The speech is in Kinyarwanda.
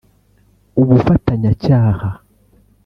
ubufatanyacyaha